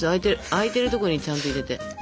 あいてるところにちゃんと入れて。